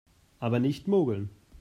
Aber nicht mogeln!